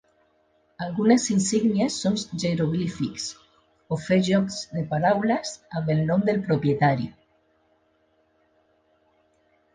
Algunes insígnies són jeroglíics o fer jocs de paraules amb el nom del propietari.